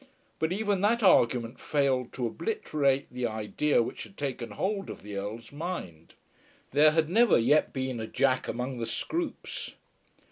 But even that argument failed to obliterate the idea which had taken hold of the Earl's mind. There had never yet been a Jack among the Scroopes.